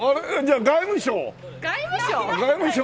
外務省？